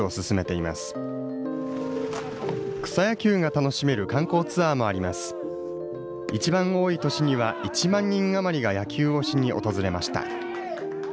いちばん多い年には１万人余りが野球をしに訪れました。